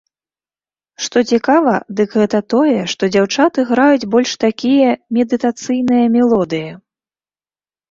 Што цікава, дык гэта тое, што дзяўчаты граюць больш такія медытацыйныя мелодыі.